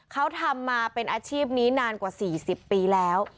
เขาทำมาเป็นอาชีพนี้นานกว่า๔๐ปีแล้ว